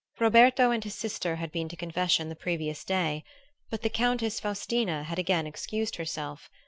Roberto and his sister had been to confession the previous day, but the Countess Faustina had again excused herself.